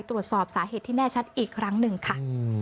ตรวจสอบสาเหตุที่แน่ชัดอีกครั้งหนึ่งค่ะ